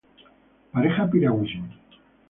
pareja piragüismo